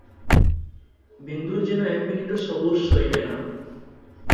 বিন্দুর যেন এক মিনিটও সবুর সইবে না।